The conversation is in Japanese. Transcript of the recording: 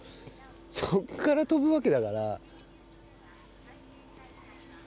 そこから飛ぶわけだから。